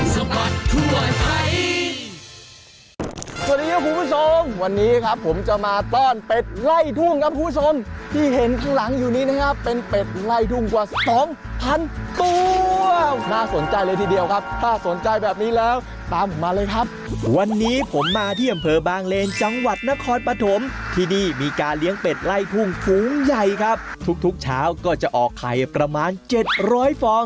สวัสดีครับคุณผู้ชมวันนี้ครับผมจะมาต้อนเป็ดไล่ทุ่งครับคุณผู้ชมที่เห็นข้างหลังอยู่นี้นะครับเป็นเป็ดไล่ทุ่งกว่าสองพันตัวน่าสนใจเลยทีเดียวครับถ้าสนใจแบบนี้แล้วตามมาเลยครับวันนี้ผมมาที่อำเภอบางเลนจังหวัดนครปฐมที่นี่มีการเลี้ยงเป็ดไล่ทุ่งฝูงใหญ่ครับทุกทุกเช้าก็จะออกไข่ประมาณเจ็ดร้อยฟอง